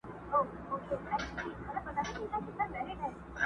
کښتي وان ویل مُلا صرفي لا څه دي؛